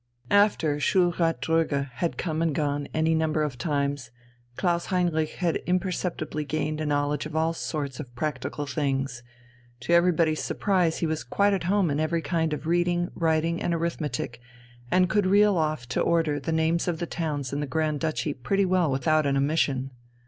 After Schulrat Dröge had come and gone any number of times, Klaus Heinrich had imperceptibly gained a knowledge of all sorts of practical things: to everybody's surprise he was quite at home in every kind of reading, writing, and arithmetic, and could reel off to order the names of the towns in the Grand Duchy pretty well without an omission.